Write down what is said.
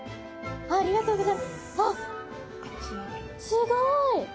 すごい！